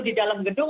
di dalam gedung